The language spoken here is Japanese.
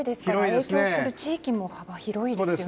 該当する地域も幅広いですよね。